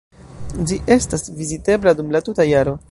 Ĝi estas vizitebla dum la tuta jaro.